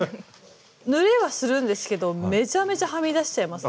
塗れはするんですけどめちゃめちゃはみ出しちゃいますね。